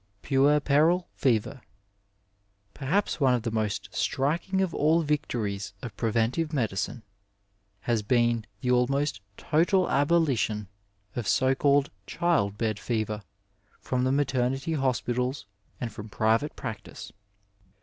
Puerperal Feoer. — Perhaps one of the most striking of all victories of preventive medicine has been the almost total abolition of so called child bed fever from the maternity hospitals and from private practice.